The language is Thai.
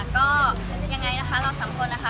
ก็ยังไงนะคะเราสามคนนะคะ